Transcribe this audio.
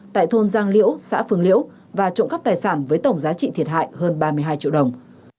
tại thôn giang liễu xã phương liễu và trộm cắp tài sản với tổng giá trị thiệt hại hơn ba mươi hai triệu đồng